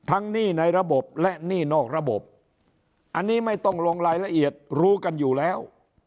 อันนี้ไม่ต้องลงรายละเอียดรู้กันอยู่แล้ว